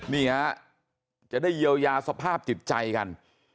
นี่ฮะจะได้เยียวยาสภาพจิตใจกัน